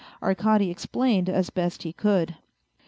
Arkady explained as best he could.